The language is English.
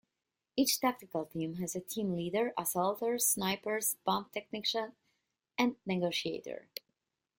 Each tactical team has a team leader, assaulters, snipers, bomb technicians, and a negotiator.